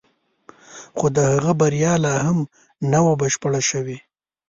خو د هغه بریا لا هم نه وه بشپړه شوې